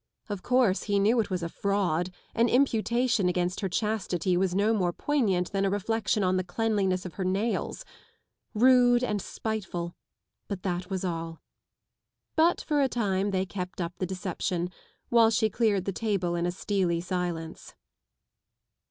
Of course, he knew it was a fraud ; an imputation against her chastity was no more poignant than a reflection on the cleanliness of her nailsŌĆörude and spiteful, but that was all. But for a time they kept up the deception, while she cleared the table in a steely silence.